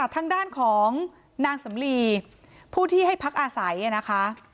ทางด้านของนางสำลีผู้ที่ให้พักอาศัยนะคะ